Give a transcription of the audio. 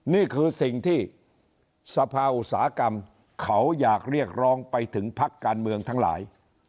นี่คือสิ่งที่สภาอุตสาหกรรมเขาอยากเรียกร้องไปถึงพักการเมืองทั้งหลาย